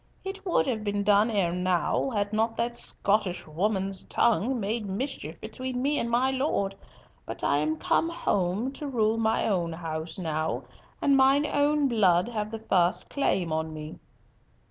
It would have been done ere now, had not that Scottish woman's tongue made mischief between me and my Lord, but I am come home to rule my own house now, and mine own blood have the first claim on me."